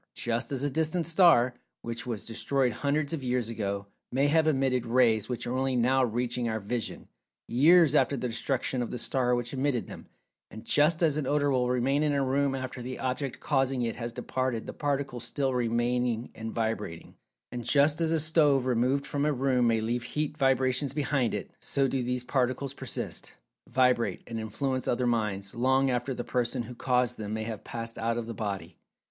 Just as a distant star, which was destroyed hundreds of years ago, may have emitted rays which are only now reaching our vision, years after the destruction of the star which emitted them—and just as an odor will remain in a room after the object causing it has departed the particles still remaining and vibrating—and just as a stove removed from a room may leave heat vibrations behind it—so do these particles persist, vibrate, and influence other minds, long after the person who caused them may have passed out of the body.